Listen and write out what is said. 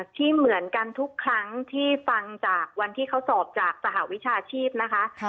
ที่เหมือนกันทุกครั้งที่ฟังจากวันที่เขาสอบจากสหวิชาชีพนะคะ